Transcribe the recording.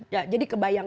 ya jadi kebayang